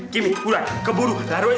kini udah keburu taruhnya senjol kok